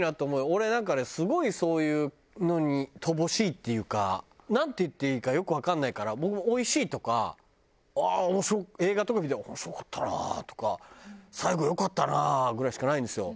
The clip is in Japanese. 俺なんかねすごいそういうのに乏しいっていうか。なんて言っていいかよくわかんないから僕も「おいしい」とか映画とか見て「面白かったなあ」とか「最後良かったな」ぐらいしかないんですよ。